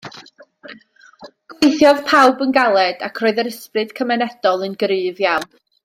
Gweithiodd pawb yn galed ac roedd yr ysbryd cymunedol yn gryf iawn